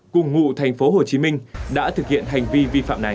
cùng ngụ thành phố hồ chí minh đã thực hiện hành vi vi phạm này